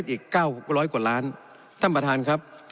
ที่เก็บค่าเศษอีก๙๐๐กว่าล้านท่านประธานครับ